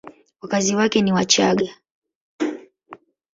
Wakazi wake ni Wachagga.